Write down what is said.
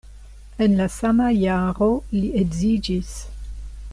En la sama jaro li edziĝis.